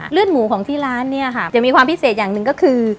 เลือดหมูของที่ร้านเนี่ยค่ะจะมีความพิเศษอย่างหนึ่งก็คือ